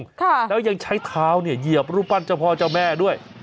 ค่ะแล้วยังใช้เท้าเนี่ยเหยียบรูปปั้นเจ้าพ่อเจ้าแม่ด้วย